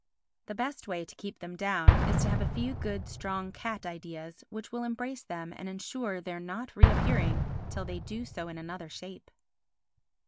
The best way to keep them down is to have a few good strong cat ideas which will embrace them and ensure their not reappearing till they do so in another shape.